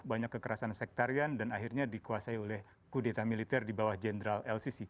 banyak kekerasan sektarian dan akhirnya dikuasai oleh kudeta militer di bawah jenderal lcc